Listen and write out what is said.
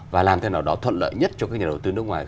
và làm thế nào đó thuận lợi nhất cho các nhà đầu tư nước ngoài